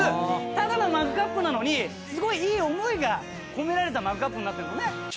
ただのマグカップなのにすごいいい思いが込められたマグカップになってるんですよね。